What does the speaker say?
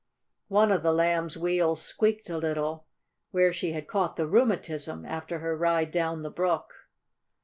One of the Lamb's wheels squeaked a little where she had caught rheumatism after her ride down the brook.